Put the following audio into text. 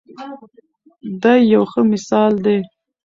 دی یو ښه مثال دی.